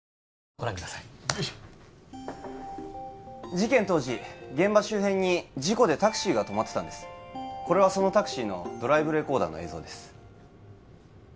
事件当時現場周辺に事故でタクシーが止まってたんですこれはそのタクシーのドライブレコーダーの映像です